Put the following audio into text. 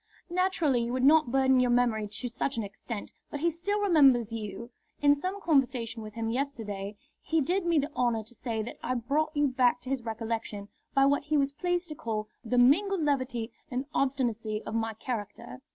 "Naturally you would not burden your memory to such an extent, but he still remembers you. In some conversation with him yesterday he did me the honour to say that I brought you back to his recollection by what he was pleased to call the mingled levity and obstinacy of my character.